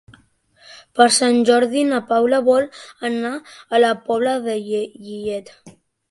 Per Sant Jordi na Paula vol anar a la Pobla de Lillet.